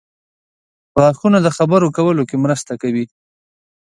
• غاښونه د خبرو کولو کې مرسته کوي.